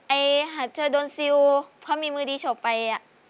ไอ้หาเธอโดระซิลเค้ามีมือดีโฉบไป